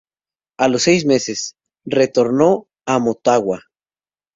A los seis meses, retornó a Motagua.